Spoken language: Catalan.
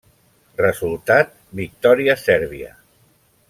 Resultat: victòria sèrbia.